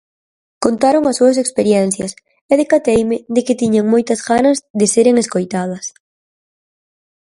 Contaron as súas experiencias e decateime de que tiñan moitas ganas de seren escoitadas.